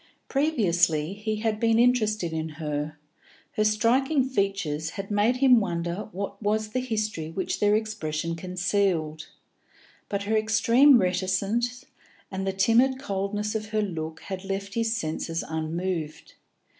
Previously he had been interested in her; her striking features had made him wonder what was the history which their expression concealed; but her extreme reticence and the timid coldness of her look had left his senses unmoved.